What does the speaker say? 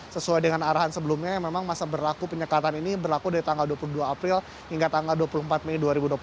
sesuai dengan arahan sebelumnya yang memang masa berlaku penyekatan ini berlaku dari tanggal dua puluh dua april hingga tanggal dua puluh empat mei dua ribu dua puluh satu